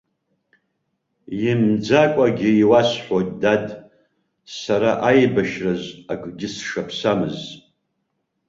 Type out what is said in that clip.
Имӡакәагьы иуасҳәоит, дад, сара аибашьраз акгьы сшаԥсамыз.